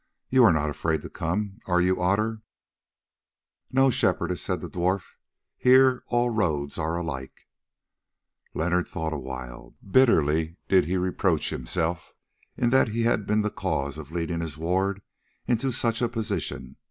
You are not afraid to come, are you, Otter?" "No, Shepherdess," said the dwarf. "Here all roads are alike." Leonard thought awhile. Bitterly did he reproach himself in that he had been the cause of leading his ward into such a position.